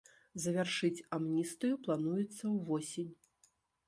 Завяршыць амністыю плануецца ўвосень.